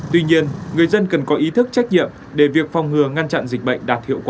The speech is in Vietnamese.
tuy nhiên người dân cần có ý thức trách nhiệm để việc phòng ngừa ngăn chặn dịch bệnh đạt hiệu quả